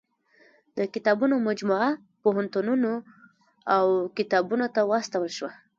د کتابونو مجموعه پوهنتونونو او کتابتونو ته واستول شوه.